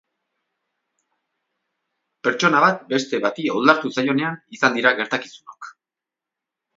Pertsona bat beste bati oldartu zaionean izan dira gertakizunok.